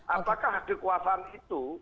apakah kekuasaan itu